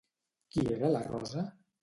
Qui era la Rosa?